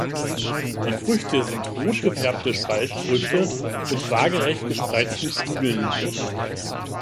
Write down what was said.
Die Früchte sind rot gefärbte Spaltfrüchte mit waagerecht gespreizten Flügeln.